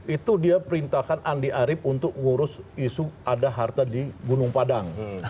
itu dia perintahkan andi arief untuk ngurus isu ada harta di gunung padang